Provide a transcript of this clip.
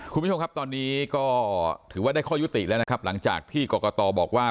คุณผู้ชมครับตอนนี้ก็ถือว่าได้ข้อยุติแล้วนะครับหลังจากที่กรกตบอกว่า